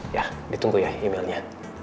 ya ditunggu ya emailnya